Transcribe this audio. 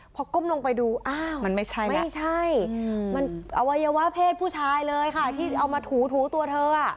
พอก้มลงไปดูอ้าวมันไม่ใช่ไม่ใช่มันอวัยวะเพศผู้ชายเลยค่ะที่เอามาถูถูตัวเธอ